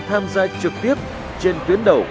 tham gia trực tiếp trên tuyến đầu